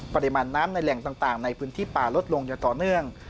ปริมาณน้ำในแหล่งต่างในพื้นที่ป่าลดลงอย่างต่อเนื่อง